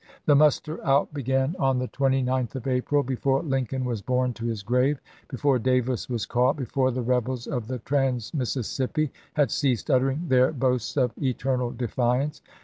The muster out began on the 29th of April, before Lincoln was borne to his lses. grave, before Davis was caught, before the rebels of the trans Mississippi had ceased uttering their boasts of eternal defiance.